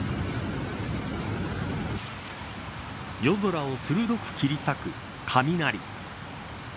夜空を鋭く切り裂く雷。